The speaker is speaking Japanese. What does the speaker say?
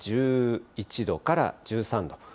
１１度から１３度。